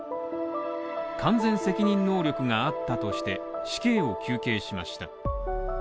完全責任能力があったとして死刑を求刑しました。